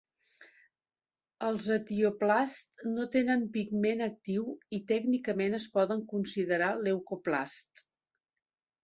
Els etioplasts no tenen pigment actiu i tècnicament es poden considerar leucoplasts.